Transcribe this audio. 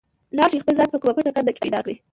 لاړ شئ خپل ځان په کومه پټه کنده کې پیدا کړئ.